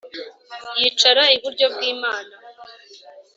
yicara iburyo bw'Imana